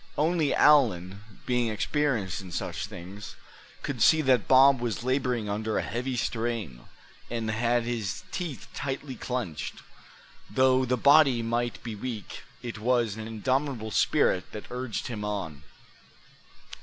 Only Allan, being experienced in such things, could see that Bob was laboring under a heavy strain, and had his teeth tightly clenched; though the body might be weak, it was an indomitable spirit that urged him on.